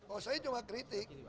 oh saya cuma kritik